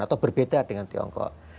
atau berbeda dengan tiongkok